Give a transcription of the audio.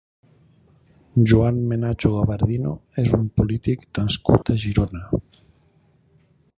Joan Menacho Gabardino és un polític nascut a Girona.